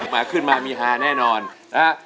มาขึ้นมามีฮาแน่นอนนะฮะ